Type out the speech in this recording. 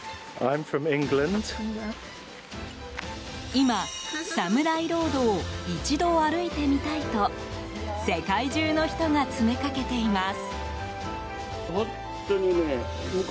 今、サムライロードを一度歩いてみたいと世界中の人が詰めかけています。